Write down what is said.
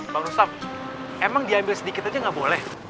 bang rustam emang diambil sedikit aja nggak boleh